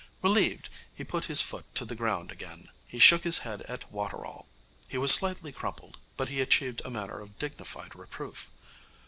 Relieved, he put his foot to the ground again. He shook his head at Waterall. He was slightly crumpled, but he achieved a manner of dignified reproof.